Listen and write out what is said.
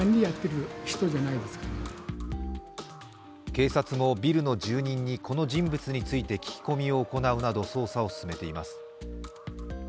警察も、ビルの住人にこの人物について聞き込みを行うなど捜査を進めています。